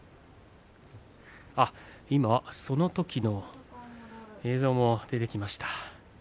今そのときの映像も出てきました。